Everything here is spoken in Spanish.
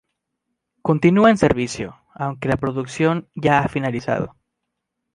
Continúa en servicio, aunque la producción ya ha finalizado.